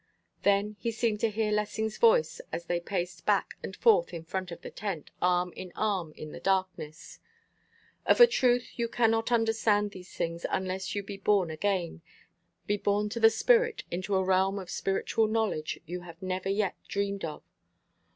Then he seemed to hear Lessing's voice as they paced back and forth in front of the tent, arm in arm in the darkness. "Of a truth you can not understand these things, unless you be born again be born of the Spirit, into a realm of spiritual knowledge you have never yet even dreamed of.